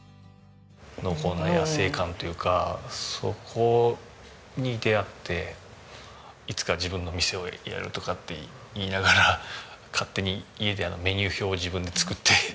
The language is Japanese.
濃厚な野生感というかそこに出会っていつか自分の店をやるとかって言いながら勝手に家でメニュー表を自分で作って。